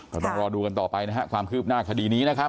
ก็ต้องรอดูกันต่อไปนะครับความคืบหน้าคดีนี้นะครับ